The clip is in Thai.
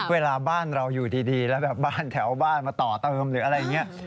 เวลาบ้านเราอยู่ดีแล้วแบบบ้านแถวบ้านมาต่อเติมหรืออะไรอย่างนี้